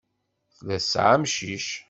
Tella tesɛa amcic.